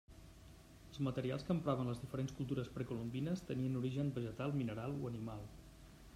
Els materials que empraven les diferents cultures precolombines tenien origen vegetal, mineral o animal.